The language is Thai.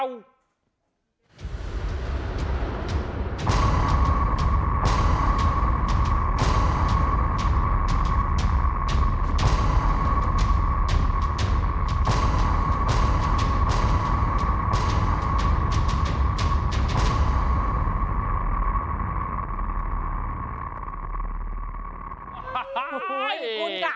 คุณสาห์